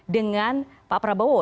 dengan pak prabowo